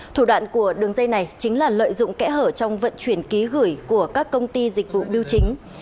thủ đoạn của đường dây này chính là lợi dụng kẽ hở trong vận chuyển ký gửi của các công ty dịch vụ biêu chính